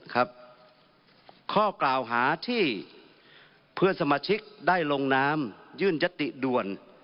ข้อกล่าวหาที่เพื่อนสมาชิกได้ลงนามยื่นยติด่วน